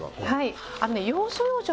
はい。